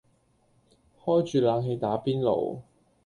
開住冷氣打邊爐